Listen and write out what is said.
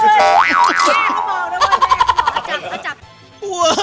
แม่เขาบอกแล้วว่าแม่เขาหลอกมาจับ